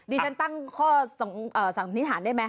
ฉันตั้งข้อสันนิษฐานได้ไหม